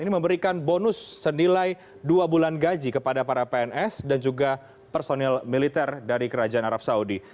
ini memberikan bonus senilai dua bulan gaji kepada para pns dan juga personil militer dari kerajaan arab saudi